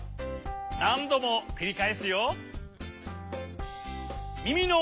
なんどもくりかえすよ。